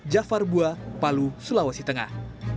jafar bua palu sulawesi tengah